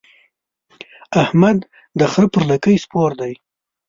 احمد د خره پر لکۍ سپور دی.